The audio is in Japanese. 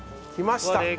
きました。